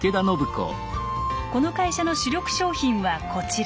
この会社の主力商品はこちら。